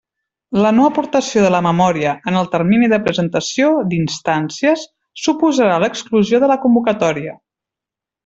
La no-aportació de la memòria, en el termini de presentació d'instàncies, suposarà l'exclusió de la convocatòria.